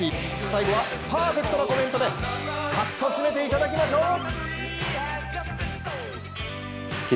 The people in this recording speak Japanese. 最後はパーフェクトなコメントでスカッと締めていただきましょう。